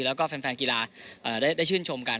แล้วก็แฟนกีฬาได้ชื่นชมกัน